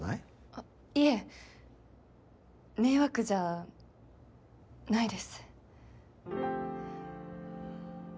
あいえ迷惑じゃないです。